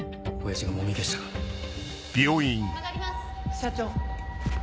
社長。